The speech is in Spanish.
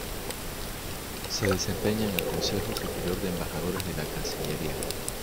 Se desempeña en el Consejo Superior de Embajadores de la Cancillería.